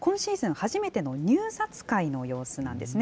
初めての入札会の様子なんですね。